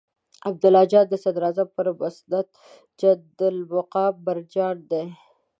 عبدالله جان د صدراعظم پر مسند جنت المقام براجمان دی.